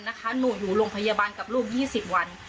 ล่าสุดแอดมิตรโรงพยาบาลส่งค้า๑๒วัน